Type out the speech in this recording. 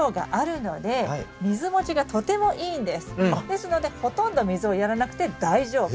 ですのでほとんど水をやらなくて大丈夫。